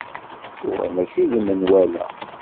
Yuba mačči d menwala.